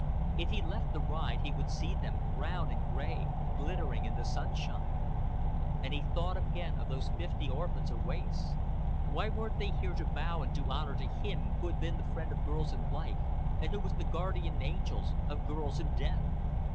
If he left the ride, he would see them, brown and gray, glittering in the sunshine. And he thought again of those fifty orphans or waifs. Why weren't they here to bow and do honor to him who had been the friend of girls in life and who was the guardian angel of girls in death?